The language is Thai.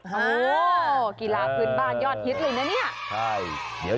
โอ้โหกีฬาพื้นบ้านยอดฮิตเลยนะเนี่ย